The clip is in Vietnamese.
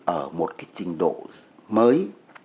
ở một trình độ mới